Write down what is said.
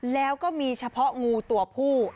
แล้วก็มีเฉพาะงูตัวผู้